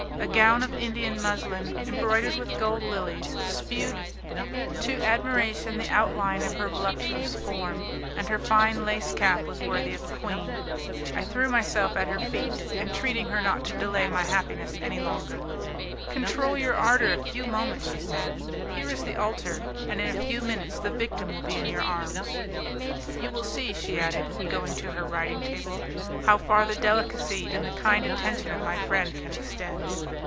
A gown of Indian muslin, embroidered with gold lilies, shewed to admiration the outline of her voluptuous form, and her fine lace cap was worthy of a queen. I threw myself at her feet, entreating her not to delay my happiness any longer. "Control your ardour a few moments," she said, "here is the altar, and in a few minutes the victim will be in your arms." "You will see," she added, going to her writing table, "how far the delicacy and the kind attention of my friend can extend."